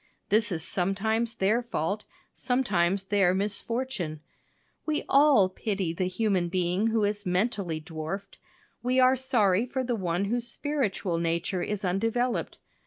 This is sometimes their fault sometimes their misfortune. We all pity the human being who is mentally dwarfed. We are sorry for the one whose spiritual nature is undeveloped.